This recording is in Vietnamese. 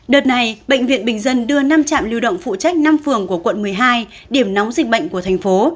đợt này bệnh viện bình dân đưa năm trạm lưu động phụ trách năm phường của quận một mươi hai điểm nóng dịch bệnh của thành phố